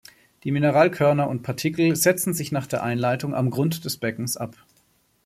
Die Mineralkörner und -partikel setzen sich nach der Einleitung am Grund des Beckens ab.